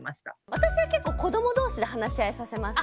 私は結構子ども同士で話し合いさせますけどね。